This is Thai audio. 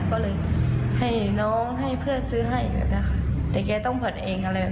ก็เลยให้น้องให้เพื่อนซื้อให้แบบเนี้ยค่ะแต่แกต้องผัดเองอะไรแบบ